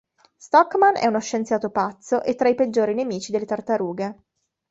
Stockman è uno scienziato pazzo e tra i peggiori nemici delle Tartarughe.